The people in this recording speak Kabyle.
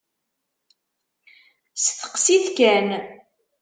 Steqsit kan!